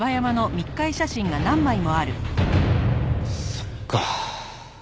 そっか。